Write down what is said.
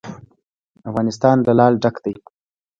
افغانستان له لعل ډک دی.